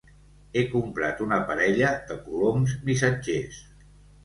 He comprat una parella de coloms missatgers.